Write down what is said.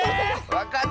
わかった！